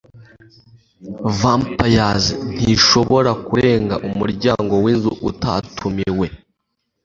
vampires ntishobora kurenga umuryango winzu utatumiwe